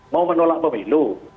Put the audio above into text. mau menolak pemilu